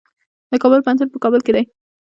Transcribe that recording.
د کابل پوهنتون په کابل کې دی